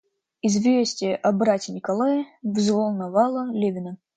Известие о брате Николае взволновало Левина.